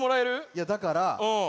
いやだから。